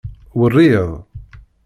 Werri-d.